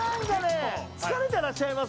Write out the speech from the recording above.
疲れてらっしゃいます？